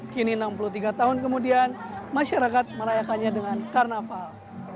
kini enam puluh tiga tahun kemudian masyarakat merayakannya dengan karnaval